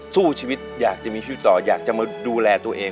สู้ชีวิตอยากจะมีชีวิตต่ออยากจะมาดูแลตัวเอง